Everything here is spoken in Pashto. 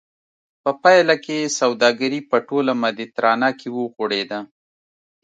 په پایله کې سوداګري په ټوله مدیترانه کې وغوړېده